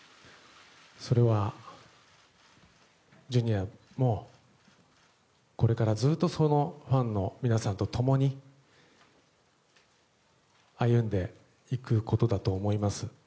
それは、Ｊｒ．もこれからずっとファンの皆さんと共に歩んでいくことだと思います。